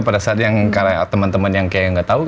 pada saat yang temen temen yang kayak gak tau